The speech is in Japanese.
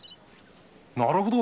なるほど。